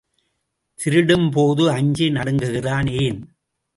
திருடும்போது அஞ்சி நடுங்குகிறான், ஏன்?